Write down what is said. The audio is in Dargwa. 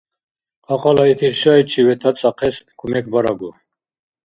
Кьакьала итил шайчи ветацӀахъес кумекбарагу.